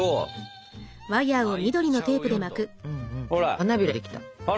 花びらできた！